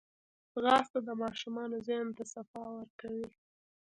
ځغاسته د ماشومانو ذهن ته صفا ورکوي